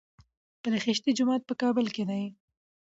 پل خشتي جومات په کابل کي دی